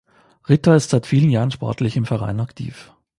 Ritter ist seit vielen Jahren sportlich im Verein aktiv.